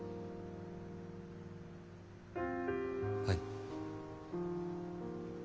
はい。